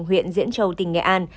huyện diễn châu tỉnh nghệ an